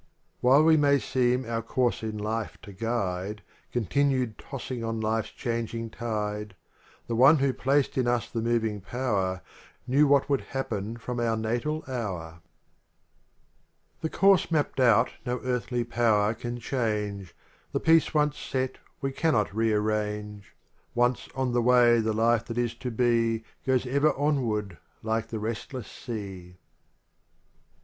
LXX While we may seem our course in life to guide, Continued tossing on life's changing tide, The One who placed in us the moving power Knew what would happen from our natal hour — 34 i C^"r\r\n\{> Original from rtizetJ oy UNIVERSITY OF MICHIGAN 29 The course mapped out no earthly power can change, The piece once set we cannot rearrange; Once on the way the life that is to be Goes ever onward like the restless sea.